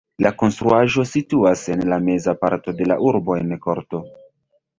La konstruaĵo situas en la meza parto de la urbo en korto.